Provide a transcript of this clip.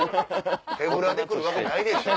手ぶらで来るわけないでしょ。